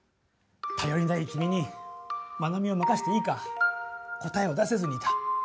たよりない君にまなみをまかせていいか答えを出せずにいた。